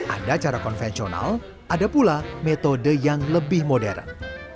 ada cara konvensional ada pula metode yang lebih modern